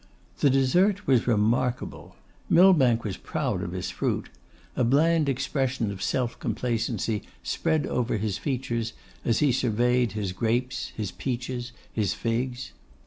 The dessert was remarkable. Millbank was proud of his fruit. A bland expression of self complacency spread over his features as he surveyed his grapes, his peaches, his figs.